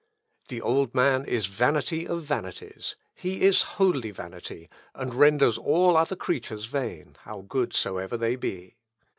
"The old man is vanity of vanities he is wholly vanity, and renders all other creatures vain, how good soever they be.